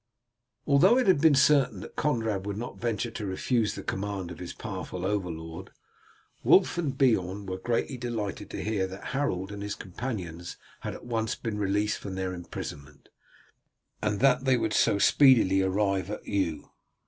Although it had been certain that Conrad would not venture to refuse the command of his powerful over lord, Wulf and Beorn were greatly delighted to hear that Harold and his companions had at once been released from their imprisonment, and that they would so speedily arrive at Eu.